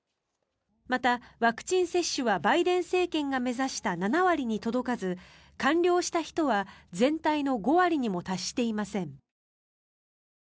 また、ワクチン接種はバイデン政権が目指した７割に届かず、完了した人は全体の５割にも達していません。